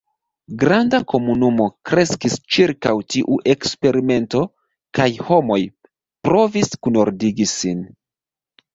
Granda komunumo kreskis ĉirkaŭ tiu eksperimento, kaj homoj provis kunordigi sin.